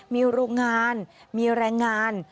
มีโรงงานมีแรงงาน